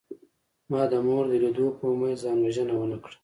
ما د مور د لیدو په امید ځان وژنه ونکړه